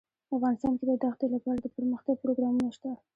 افغانستان کې د دښتې لپاره دپرمختیا پروګرامونه شته.